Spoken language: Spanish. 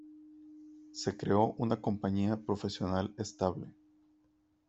Se creó una compañía profesional estable.